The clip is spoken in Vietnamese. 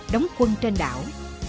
đóng quân trên đảo